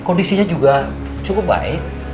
kondisinya juga cukup baik